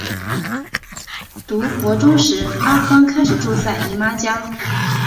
读国中时阿桑开始住在姨妈家。